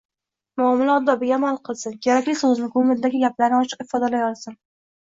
muomala odobiga amal qilsin, kerakli so‘zni, ko‘nglidagi gaplarni ochiq ifodalay olsin.